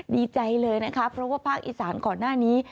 ดีใจเลยนะคะเพราะว่าภาคอีสานก่อนหน้านี้